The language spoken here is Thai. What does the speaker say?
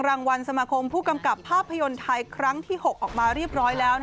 รางวัลสมาคมผู้กำกับภาพยนตร์ไทยครั้งที่๖ออกมาเรียบร้อยแล้ว